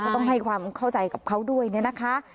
ต้องให้ความเข้าใจกับเขาด้วยเนี่ยนะคะ